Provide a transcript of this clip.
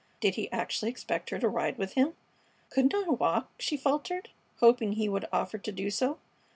Did he actually expect her to ride with him? "Couldn't I walk?" she faltered, hoping he would offer to do so.